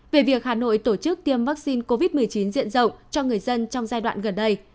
về việc hà nội tổ chức tiêm vaccine covid một mươi chín diện rộng cho người dân trong giai đoạn gần đây